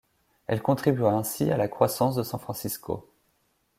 Elle contribua ainsi à la croissance de San Francisco.